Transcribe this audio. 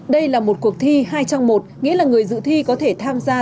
đây là một cuộc thi hai trong một nghĩa là người dự thi có thể tham gia